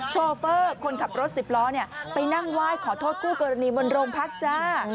โชเฟอร์คนขับรถสิบล้อไปนั่งไหว้ขอโทษคู่กรณีบนโรงพักจ้า